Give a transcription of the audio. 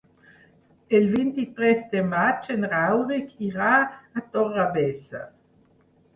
El vint-i-tres de maig en Rauric irà a Torrebesses.